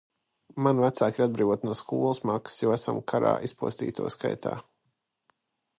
Mani vecāki ir atbrīvoti no skolas maksas, jo esam karā izpostīto skaitā.